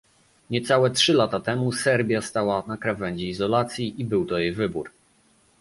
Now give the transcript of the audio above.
Niecałe trzy lata temu Serbia stała na krawędzi izolacji i był to jej wybór